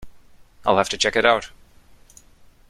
I’ll have to check it out.